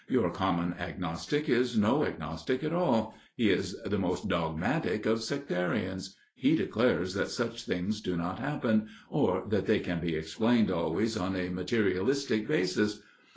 Your common agnostic is no agnostic at all ; he is the most dogmatic of sectarians. He declares that such things do not happen, or that they can be explained always on a materialistic basis.